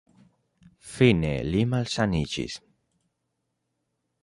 Fine, li malsaniĝis.